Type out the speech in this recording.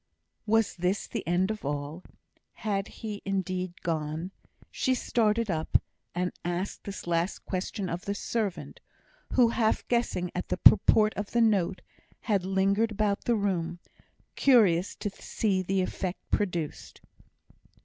Was this the end of all? Had he, indeed, gone? She started up, and asked this last question of the servant, who, half guessing at the purport of the note, had lingered about the room, curious to see the effect produced.